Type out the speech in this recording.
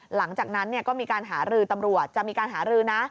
หลังจากนั้นก็มีการหารือตำรวจจะมีการหารือนะ